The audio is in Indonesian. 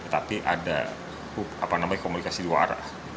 tapi ada komunikasi luar